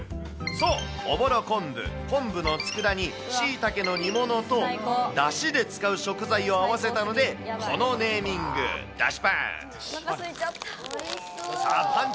そう、おぼろ昆布、昆布のつくだ煮、シイタケの煮物と、だしで使う食材を合わせたのでこのネーミング、出汁パンチ！